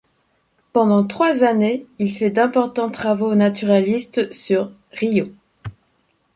Pendant trois années, il fait d'importants travaux naturalistes sur Rio.